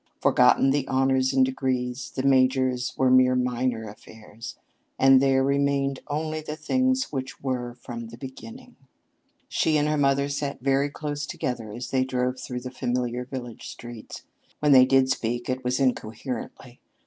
Forgotten the honors and degrees; the majors were mere minor affairs; and there remained only the things which were from the beginning. She and her mother sat very close together as they drove through the familiar village streets. When they did speak, it was incoherently.